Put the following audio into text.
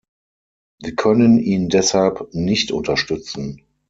Wir können ihn deshalb nicht unterstützen.